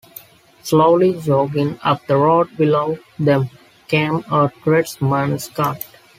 Slowly jogging up the road below them came a tradesman's cart.